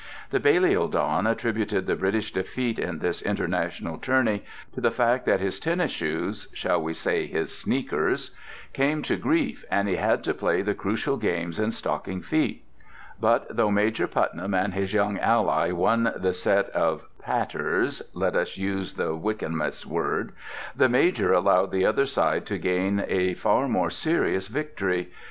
The Balliol don attributed the British defeat in this international tourney to the fact that his tennis shoes (shall we say his "sneakers?") came to grief and he had to play the crucial games in stocking feet. But though Major Putnam and his young ally won the set of patters (let us use the Wykehamist word), the Major allowed the other side to gain a far more serious victory.